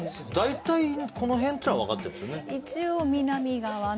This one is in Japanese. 大体この辺ってのは分かってるんですよね？